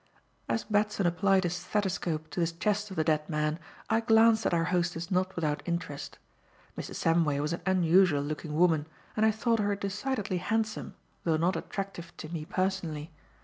As Batson applied his stethoscope to the chest of the dead man, I glanced at our hostess not without interest. Mrs. Samway was an unusual looking woman, and I thought her decidedly handsome though not attractive to me personally.